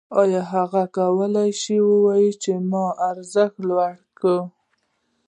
آیا هغه کولی شي ووايي چې ما ارزښت لوړ کړی